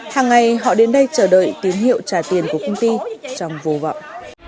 hàng ngày họ đến đây chờ đợi tín hiệu trả tiền của công ty trong vô vọng